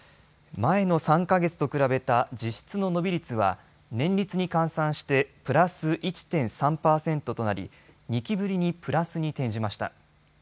前の３か月と比べた実質の伸び率は年率に換算してプラス１．３％となり２期ぶりにプラスに転じました。